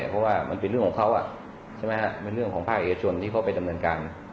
เพราะว่ามันเป็นเรื่องของเขาใช่ไหมฮะเป็นเรื่องของภาคเอกชนที่เขาไปดำเนินการ